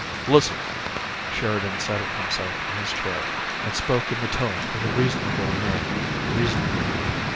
"Listen." Sheridan settled himself in his chair, and spoke in the tone of a reasonable man reasoning.